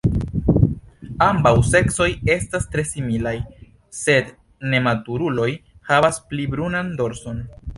Ambaŭ seksoj estas tre similaj, sed nematuruloj havas pli brunan dorson.